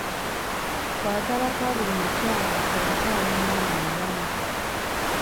Kwagala kwa buli mukyala okuzaala omwana omulamu.